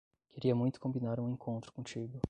Queria muito combinar um encontro contigo.